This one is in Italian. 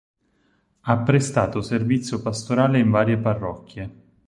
Ha prestato servizio pastorale in varie parrocchie.